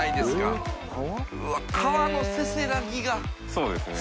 そうですね。